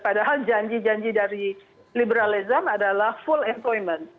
padahal janji janji dari liberalism adalah full employment